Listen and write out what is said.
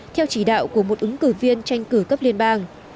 theo chỉ đạo của một ứng cử viên tranh cử cấp liên bang